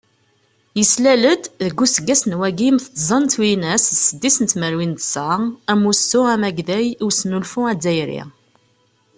Yeslal-d, deg useggas n wagim d tẓa twinas d seddis tmerwin d ṣa, Amussu amagday i usnulfu azzayri.